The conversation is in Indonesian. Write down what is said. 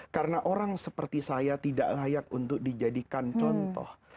karena orang seperti saya tidak layak untuk dijadikan contoh